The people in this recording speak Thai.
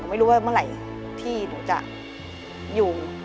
ไม่รู้ว่าเมื่อไหร่ที่หนูจะอยู่